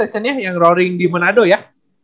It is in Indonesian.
actionnya yang roaring di manado ya